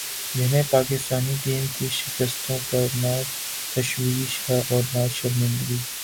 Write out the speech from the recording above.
جنہیں پاکستانی ٹیم کی شکستوں پر نہ تشویش ہے اور نہ شرمندگی ۔